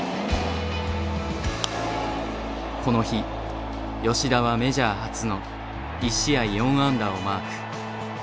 この日吉田はメジャー初の１試合４安打をマーク。